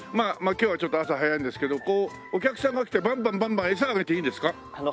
まあ今日はちょっと朝早いんですけどお客さんが来てバンバンバンバン餌あげていいですか？